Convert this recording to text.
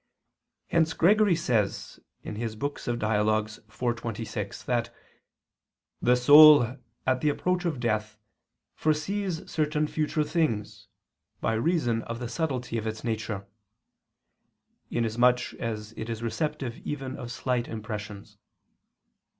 Hence Gregory says (Dial. iv, 26) that "the soul, at the approach of death, foresees certain future things, by reason of the subtlety of its nature," inasmuch as it is receptive even of slight impressions.